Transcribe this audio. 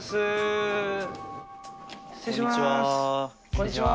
こんにちは。